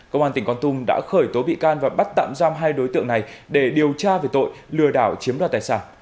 công an tỉnh con tum đã khởi tố bị can và bắt tạm giam hai đối tượng này để điều tra về tội lừa đảo chiếm đoạt tài sản